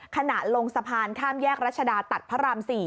ขณะลงสะพานข้ามแยกรัชดาตัดพระราม๔